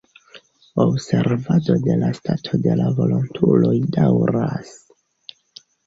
Observado de la stato de la volontuloj daŭras.